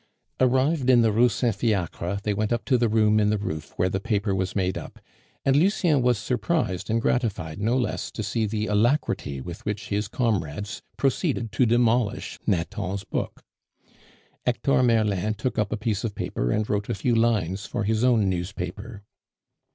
Arrived in the Rue Saint Fiacre, they went up to the room in the roof where the paper was made up, and Lucien was surprised and gratified no less to see the alacrity with which his comrades proceeded to demolish Nathan's book. Hector Merlin took up a piece of paper and wrote a few lines for his own newspaper.